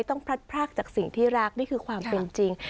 พลัดพรากจากสิ่งที่รักนี่คือความเป็นจริง